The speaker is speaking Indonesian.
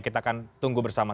kita akan tunggu bersama